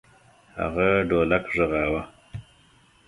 هغه ډولک غږاوه.